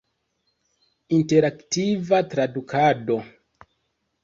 Interaktiva tradukado.